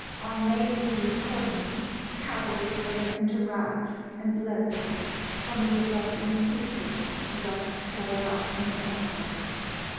On May eve, accordingly, cattle were driven into raths and bled there, some of the blood being tasted, the rest poured out in sacrifice.